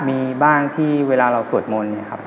มีบ้างที่เวลาเราสวดมนต์